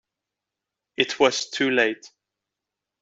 It was too late.